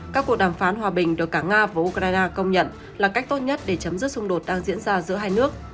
các cuộc đàm phán hòa bình được cả nga và ukraine công nhận là cách tốt nhất để chấm dứt xung đột đang diễn ra giữa hai nước